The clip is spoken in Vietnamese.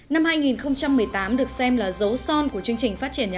năm hai nghìn một mươi tám được xem là dấu son của chương trình phát triển nhà ở